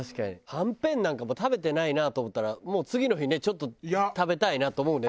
はんぺんなんかも食べてないなと思ったらもう次の日ねちょっと食べたいなと思うね